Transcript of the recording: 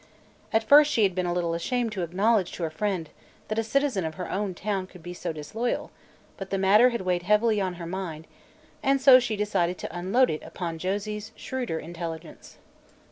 At first she had been a little ashamed to acknowledge to her friend that a citizen of her own town could be so disloyal, but the matter had weighed heavily on her mind and so she decided to unload it upon Josie's shrewder intelligence.